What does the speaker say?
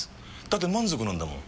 だって満足なんだもん。